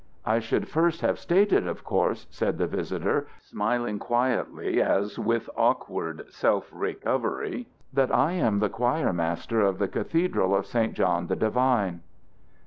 "I should first have stated, of course," said the visitor, smiling quietly as with awkward self recovery, "that I am the choir master of the Cathedral of St. John the Divine."